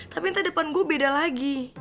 tapi entah depan gue beda lagi